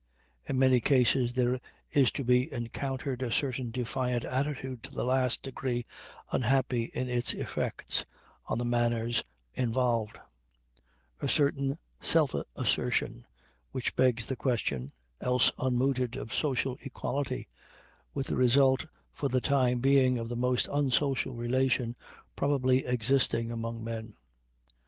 In many cases there is to be encountered a certain defiant attitude to the last degree unhappy in its effects on the manners involved a certain self assertion which begs the question, else unmooted, of social equality, with the result for the time being of the most unsocial relation probably existing among men.